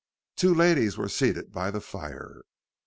Two ladies were seated by the fire.